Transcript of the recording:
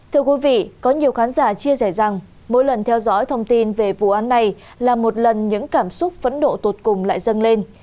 thưa quý vị có nhiều khán giả chia sẻ rằng mỗi lần theo dõi thông tin về vụ án này là một lần những cảm xúc phẫn độ tột cùng lại dâng lên